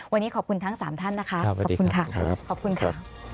วันนี้ขอบคุณทั้ง๓ท่านนะคะขอบคุณค่ะ